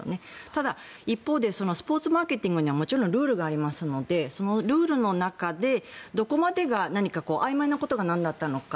ただ、一方でスポーツマーケティングにはもちろんルールがありますのでそのルールの中でどこまで何があいまいなことがなんだったのか